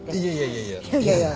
いやいやいや。